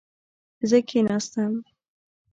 زه کښېناستم